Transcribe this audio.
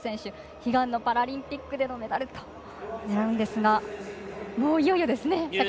悲願のパラリンピックでのメダルを狙うんですがいよいよですね。